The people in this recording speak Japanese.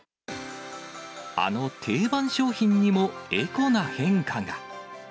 あの定番商品にもエコな変化が。